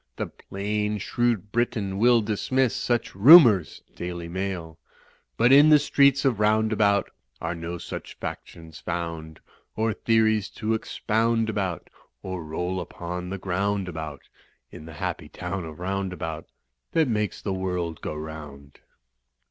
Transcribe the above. The plain, shrewd Briton will dismiss Such nmiours (Daily Mail). But in the streets of Roundabout Are no such factions found. Or theories to expound about Or roll upon the ground about. In the happy town of Roundabout That makes the world go round."